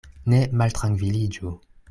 Ne maltrankviliĝu.